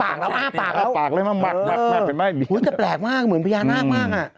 มันดูต้นที่เลยโดขิวด้วยน่ะโอ้โฮซักแปลกมากอ่ะเหมือนพญานาคมากอ่ะ